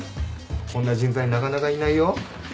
こんな人材なかなかいないよ。